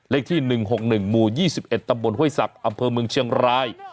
เลขที่หนึ่งหกหนึ่งหมู่ยี่สิบเอ็ดตำบนห้วยศัพท์อำเภอเมืองเชียงราย